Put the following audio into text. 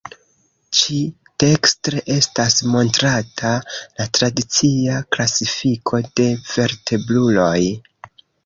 Ĉi-dekstre estas montrata la tradicia klasifiko de vertebruloj.